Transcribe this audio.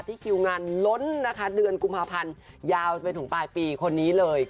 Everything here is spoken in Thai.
ที่คิวงานล้นเดือนกุมภัณฑ์ยาวจะถึงปลายปีคนนี้เลย